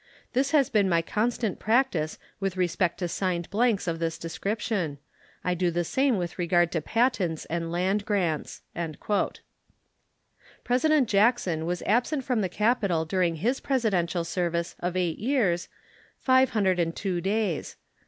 This has been my constant practice with respect to signed blanks of this description. I do the same with regard to patents and land grants." President Jackson was absent from the capital during his Presidential service of eight years five hundred and two days.